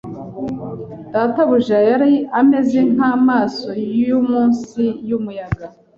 Databuja yari ameze nkamaso yumunsi yumuyaga